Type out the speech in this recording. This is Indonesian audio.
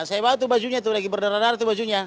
saya bawa tuh bajunya tuh lagi berdarah darah tuh bajunya